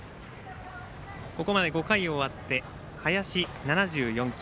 ここまで５回終わって林、７４球。